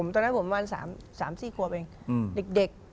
ตอนนั้นผมประมาณ๓๔ขวบเองเด็ก